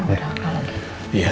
ya udah kalau gitu